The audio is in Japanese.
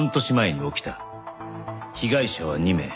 被害者は２名。